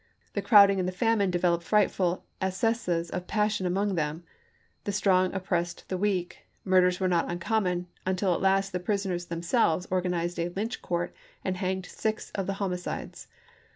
The crowding and the famine developed frightful accesses of passion among them : the strong oppressed the weak ; murders were not uncommon, until at last the prisoners themselves organized a Lynch court and hanged six of the homicides.